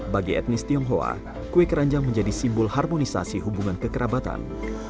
bagi etnis tionghoa kue keranjang menjadi simbol harmonisasi hubungan kekerabatan